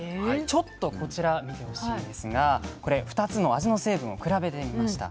ちょっとこちら見てほしいんですがこれ２つの味の成分を比べてみました。